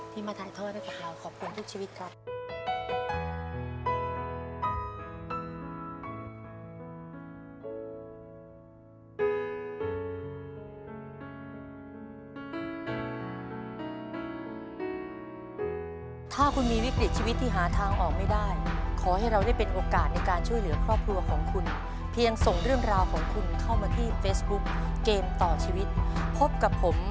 ที่มาท้ายเข้าได้กับเราขอบคุณทุกชีวิตครับ